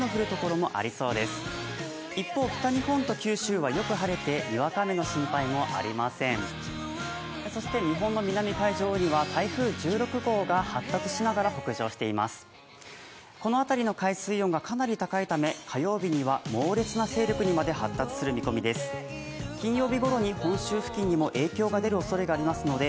この辺りの海水温がかなり高いため、火曜日には猛烈な勢力にまで発達する見込みです。